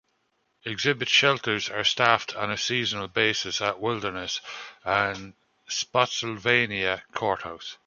Exhibit shelters are staffed on a seasonal basis at Wilderness and Spotsylvania Court House.